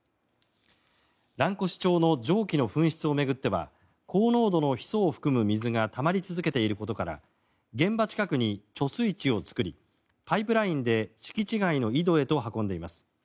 蘭越町の蒸気の噴出を巡っては高濃度のヒ素を含む水がたまり続けていることから現場近くに貯水池を作りパイプラインで敷地外の井戸へと運んでいます。